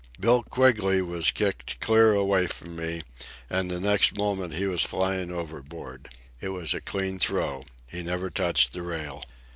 Bill Quigley was kicked clear away from me, and the next moment he was flying overboard. It was a clean throw. He never touched the rail.